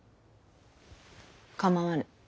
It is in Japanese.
構わぬ。